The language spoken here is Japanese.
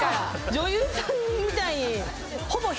女優さんみたい。